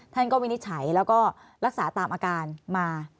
ท่านก็วินิจฉัยแล้วก็รักษาตามอาการมา